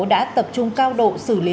đã tập trung cao độ xử lý